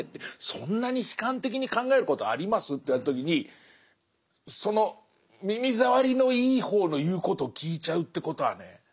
そんなに悲観的に考えることあります？って言われた時にその耳障りのいい方の言うことを聞いちゃうってことはね